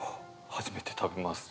初めて食べます